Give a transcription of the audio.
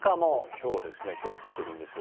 ひょうですね、ひょう降ってるんですよ。